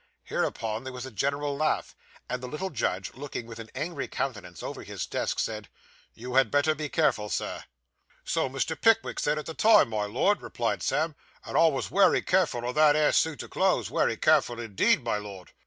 Hereupon there was a general laugh; and the little judge, looking with an angry countenance over his desk, said, 'You had better be careful, Sir.' 'So Mr. Pickwick said at the time, my Lord,' replied Sam; 'and I was wery careful o' that 'ere suit o' clothes; wery careful indeed, my Lord.